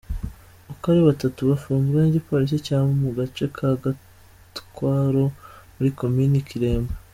Uko ari batatu bafunzwe n’igipolisi cyo mu gace ka Gatwaro muri komini Kiremba.